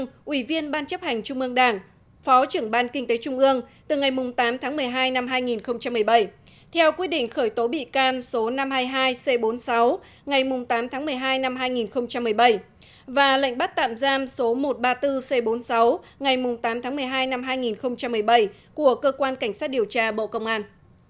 đinh la thăng ủy viên ban chấp hành trung ương đảng phó trưởng ban kinh tế trung ương từ ngày tám tháng một mươi hai năm hai nghìn một mươi bảy theo quy định khởi tố bị can số năm trăm hai mươi hai c bốn mươi sáu ngày tám tháng một mươi hai năm hai nghìn một mươi bảy và lệnh bắt tạm giam số một trăm ba mươi bốn c bốn mươi sáu ngày tám tháng một mươi hai năm hai nghìn một mươi bảy của cơ quan cảnh sát điều tra bộ công an